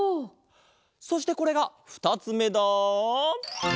そしてこれがふたつめだ。